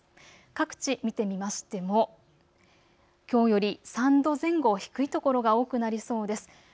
各地、見てみましてもきょうより３度前後低い所が多くなりそうです。